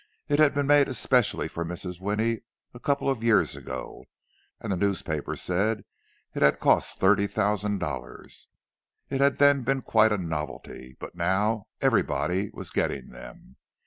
It had been made especially for Mrs. Winnie a couple of years ago, and the newspapers said it had cost thirty thousand dollars; it had then been quite a novelty, but now "everybody" was getting them.